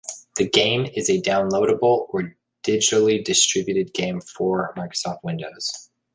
The game is a downloadable or digitally distributed game for Microsoft Windows.